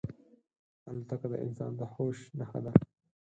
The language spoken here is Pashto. الوتکه د انسان د هوش نښه ده.